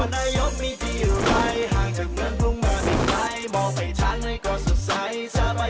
สาวไทยฮ่ายห่างจากเหมือนพรุ่งเมืองไอใครมองไปทางให้ก็สุดใส